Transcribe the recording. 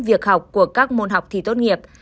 việc học của các môn học thi tốt nghiệp